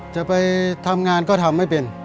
จะไปทำงานก็ทำไม่เป็น